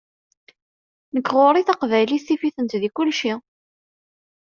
Nekk ɣur-i Taqbaylit tif-itent di kulci.